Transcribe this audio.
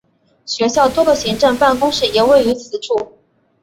学校多个行政办公室也位于此处。